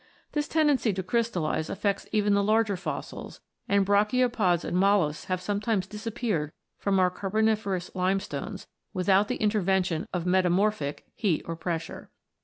This tendency to crystallise affects even the larger fossils, and brachiopods and molluscs have sometimes disappeared from our Carboniferous lime stones, without the intervention of " metamorphic " heat or pressure.